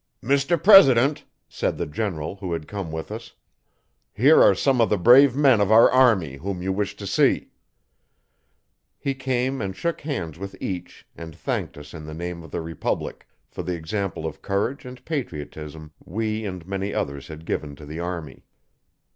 'Mr President,' said the general, who had come with us, 'here are some of the brave men of our army, whom you wished to see. He came and shook hands with each and thanked us in the name of the republic, for the example of courage and patriotism we and many others had given to the army.